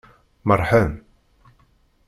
Merrḥen.